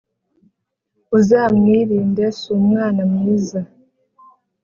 Uzamwirinde sumwana mwiza